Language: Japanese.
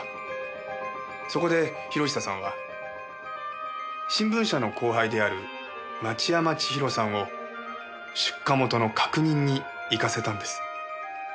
そこで博久さんは新聞社の後輩である町山千尋さんを出荷元の確認に行かせたんです。